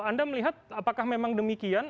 anda melihat apakah memang demikian